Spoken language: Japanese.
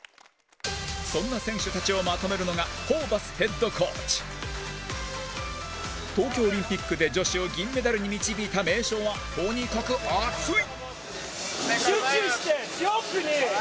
そんな選手たちをまとめるのがホーバスヘッドコーチ東京オリンピックで女子を銀メダルに導いた名将はとにかく熱い！